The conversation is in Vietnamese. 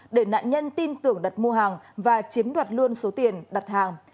để nạn nhân tin tưởng đặt mua hàng và chiếm đoạt luôn số tiền đặt hàng